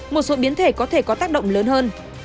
một số biến thể có thể có tác động lớn hơn